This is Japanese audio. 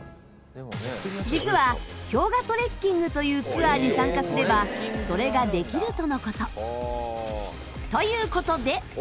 実は氷河トレッキングというツアーに参加すればそれができるとの事。という事で。